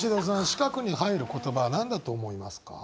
四角に入る言葉何だと思いますか？